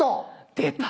出た。